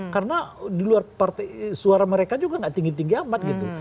karena di luar suara mereka juga gak tinggi tinggi amat gitu